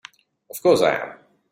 Of course I am!